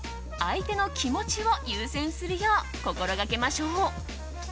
相手の気持ちを優先するよう心がけましょう。